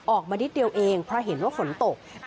ออกมานิดเดียวเองเพราะเห็นว่าฝนตก